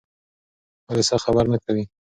حادثه خبر نه کوي.